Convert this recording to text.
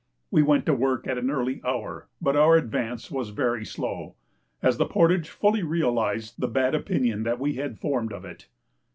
We went to work at an early hour, but our advance was very slow, as the portage fully realised the bad opinion that we had formed of it.